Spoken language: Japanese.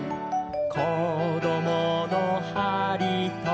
「こどものはりと」